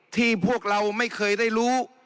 พวกเราไม่เคยได้รู้